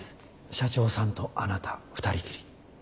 社長さんとあなた２人きり。